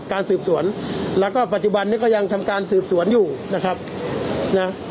การสืบสวนแล้วก็ปัจจุบันนี้ก็ยังทำการสืบสวนอยู่นะครับนะ